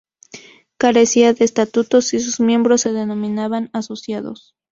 Carecía de estatutos y sus miembros se denominaban 'asociados'.